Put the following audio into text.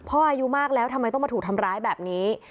อายุมากแล้วทำไมต้องมาถูกทำร้ายแบบนี้